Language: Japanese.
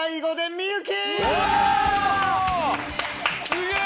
すげえ！